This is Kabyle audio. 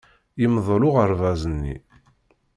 Yemdel uɣerbaz-nni.